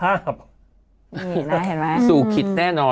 นี่นะเห็นมั้ยสูขิดแน่นอน